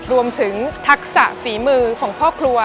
รวมถึงทักษะฝีมือของพ่อครัว